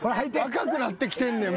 赤くなってきてんねん。